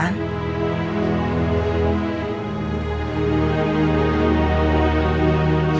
makanya menjaga ini jadi kelewatan